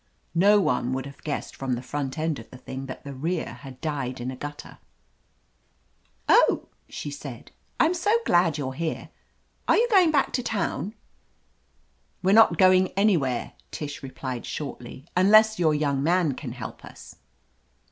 No one would have guessed from the front end of the thing that the rear had died in a gutter. "Oh!" she said. "Oh, I'm so glad you're here! Are you going back to town?" "We are not going anywhere," Tish replied shortly, "unless your young man can help us."